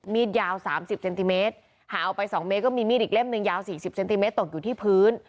มีดยาวสามสิบเซนติเมตรหาเอาไปสองเมตรก็มีมีดอีกเล่มหนึ่งยาวสี่สิบเซนติเมตรตกอยู่ที่พื้น